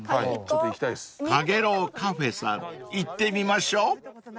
［かげろうカフェさん行ってみましょう］